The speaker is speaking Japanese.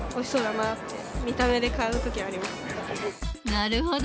なるほど。